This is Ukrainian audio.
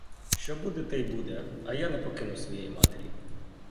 Що буде, те й буде, а я не покину своєї матері.